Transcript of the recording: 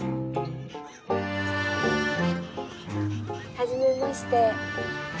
はじめまして。